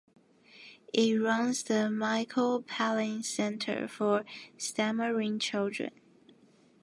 It runs the Michael Palin Centre for Stammering Children.